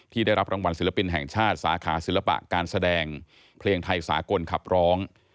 ได้รับรางวัลศิลปินแห่งชาติสาขาศิลปะการแสดงเพลงไทยสากลขับร้อง